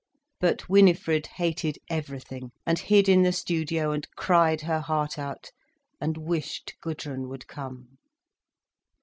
But Winifred hated everything, and hid in the studio, and cried her heart out, and wished Gudrun would come.